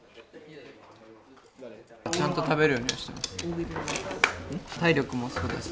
ちゃんと食べるようにしてます。